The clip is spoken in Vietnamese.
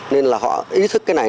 nên là họ ý thức cái này